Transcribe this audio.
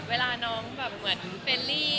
เวลาน้องเฟรนลี่